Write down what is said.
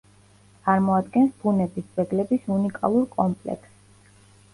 წარმოადგენს ბუნების ძეგლების უნიკალურ კომპლექსს.